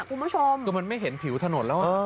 คุณผู้ชมก็มันไม่เห็นผิวถนนแล้วอ่ะเออ